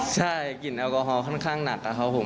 ใช่กลิ่นแอลกอฮอล์ค่อนข้างหนัก